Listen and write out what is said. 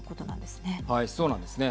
そうなんですね。